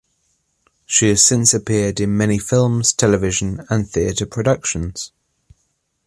She has since appeared in many films, television and theatre productions.